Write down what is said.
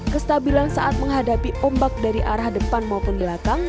kestabilan saat menghadapi ombak dari arah depan maupun belakang